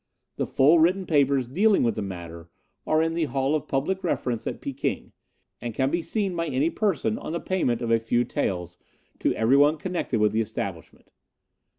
The full written papers dealing with the matter are in the Hall of Public Reference at Peking, and can be seen by any person on the payment of a few taels to everyone connected with the establishment.